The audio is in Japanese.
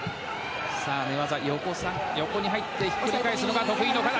寝技、横に入ってひっくり返すのが得意の形。